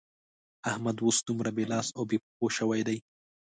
احمد اوس دومره بې لاس او بې پښو شوی دی.